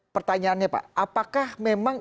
pertanyaannya pak apakah memang